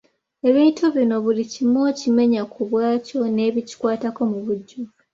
Ebintu bino buli kimu okimenya ku bwakyo n'ebikikwatako mu bujjuvu.